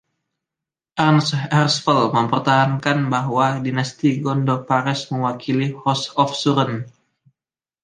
Ernst Herzfeld mempertahankan bahwa dinasti Gondophares mewakili House of Suren.